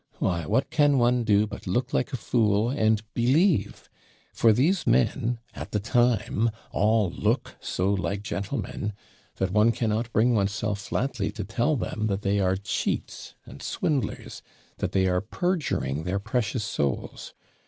Why, what can one do but look like a fool, and believe; for these men, at the time, all look so like gentlemen, that one cannot bring oneself flatly to tell them that they are cheats and swindlers, that they are perjuring their precious souls.